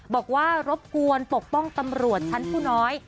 บอกว่ารบกวนปกป้องตำรวจชั้นผู้น้อย